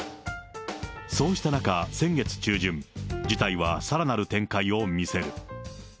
そうした中、先月中旬、事態はさらなる展開を見せる。